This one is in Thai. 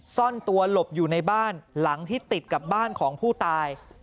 ซ่อนตัวหลบอยู่ในบ้านหลังที่ติดกับบ้านของผู้ตาย